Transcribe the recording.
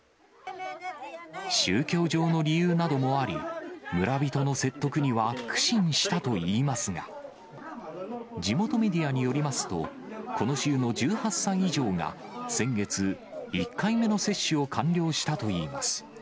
宗教上の理由などもあり、村人の説得には苦心したといいますが、地元メディアによりますと、この州の１８歳以上が先月、１回目の接種を完了したといいます。